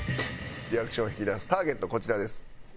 リアクションを引き出すターゲットこちらです。